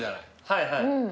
はいはい。